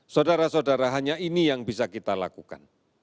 saudara saudara hanya ini yang bisa kita lakukan